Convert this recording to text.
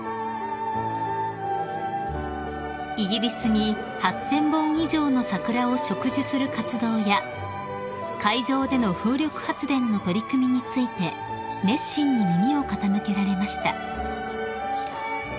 ［イギリスに８，０００本以上の桜を植樹する活動や海上での風力発電の取り組みについて熱心に耳を傾けられました］